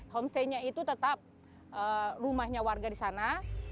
homestaynya itu tetap rumahnya warga di sana